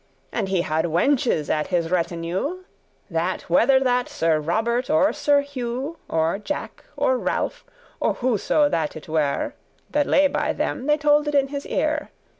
And he had wenches at his retinue, That whether that Sir Robert or Sir Hugh, Or Jack, or Ralph, or whoso that it were That lay by them, they told it in his ear.